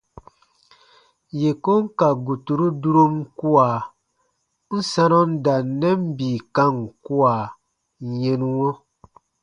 Yè kon ka guturu durom kua, n sanɔ n da n nɛn bii kam kua yɛnuɔ.